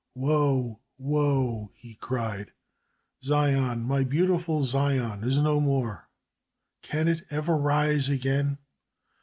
"Woe, woe," he cried. "Zion, my beautiful Zion, is no more. Can it ever rise again?